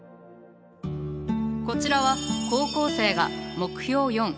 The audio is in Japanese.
こちらは高校生が目標４